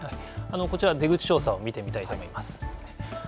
こちら、出口調査を見てみたいと思います。